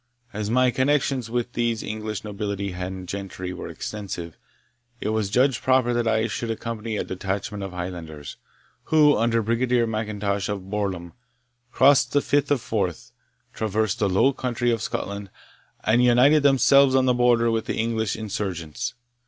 As my connections with these English nobility and gentry were extensive, it was judged proper that I should accompany a detachment of Highlanders, who, under Brigadier MacIntosh of Borlum, crossed the Firth of Forth, traversed the low country of Scotland, and united themselves on the Borders with the English insurgents.